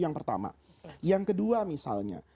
yang kedua misalnya